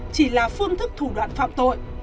chỉ là phương thức thủ đoạn phạm tội